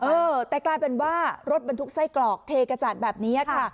เออแต่กลายเป็นว่ารถบรรทุกไส้กรอกเทกระจาดแบบนี้ค่ะ